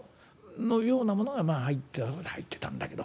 「のようなものがまあ入ってたんだけど。